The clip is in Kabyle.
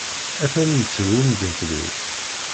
Atan yettru umdakel-iw.